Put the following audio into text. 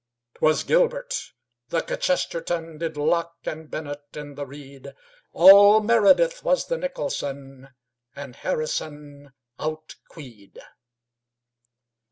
'Twas gilbert. The kchesterton Did locke and bennett in the reed. All meredith was the nicholson, And harrison outqueed.